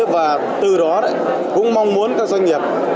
và từ đó cũng mong muốn các doanh nghiệp